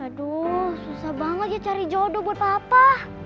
aduh susah banget ya cari jodoh buat apa